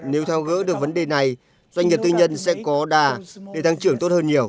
nếu thao gỡ được vấn đề này doanh nghiệp tư nhân sẽ có đà để tăng trưởng tốt hơn nhiều